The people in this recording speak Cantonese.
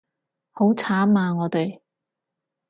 好慘啊我哋